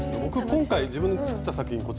僕今回自分で作った作品